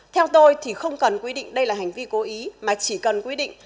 theo tôi thì không cần quy định đây là hành vi cố ý mà chỉ cần quy định